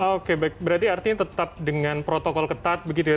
oke baik berarti artinya tetap dengan protokol ketat begitu ya